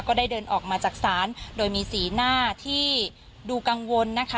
ได้เดินออกมาจากศาลโดยมีสีหน้าที่ดูกังวลนะคะ